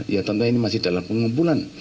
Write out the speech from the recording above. ya contoh ini masih dalam pengumpulan